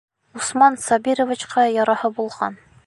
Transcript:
Усман Сабировичҡа яраһа булған.